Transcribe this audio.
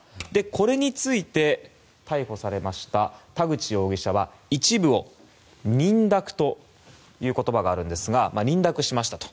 これについて逮捕されました田口容疑者は一部を認諾という言葉があるんですが認諾しましたと。